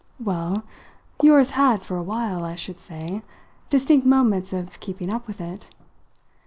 "Well, yours had for a while, I should say, distinct moments of keeping up with it.